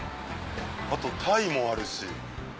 あとタイもあるし。